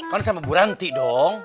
kau nih sama buranti dong